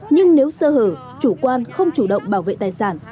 nhưng nếu sơ hở chủ quan không chủ động bảo vệ tài sản